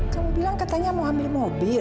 kamu bilang katanya mau ambil mobil